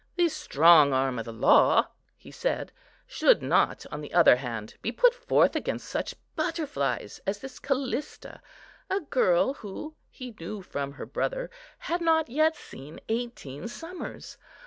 "The strong arm of the law," he said, "should not, on the other hand, be put forth against such butterflies as this Callista, a girl who, he knew from her brother, had not yet seen eighteen summers.